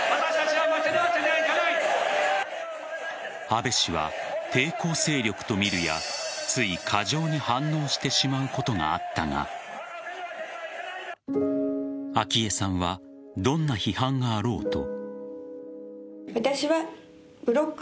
安倍氏は抵抗勢力と見るやつい過剰に反応してしまうことがあったが昭恵さんはどんな批判があろうと。